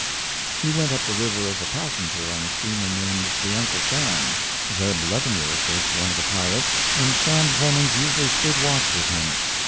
He went up the river as a passenger on a steamer named the Uncle Sam. Zeb Leavenworth was one of the pilots, and Sam Clemens usually stood watch with him.